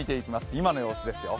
今の様子ですよ。